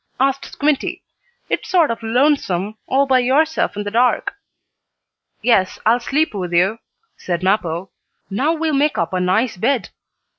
asked Squinty. "It's sort of lonesome, all by yourself in the dark." "Yes, I'll sleep with you," said Mappo. "Now we'll make up a nice bed."